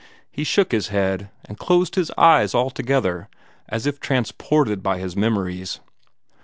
He shook his head, and closed his eyes altogether, as if transported by his memories.